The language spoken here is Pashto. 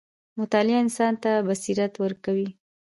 • مطالعه انسان ته بصیرت ورکوي.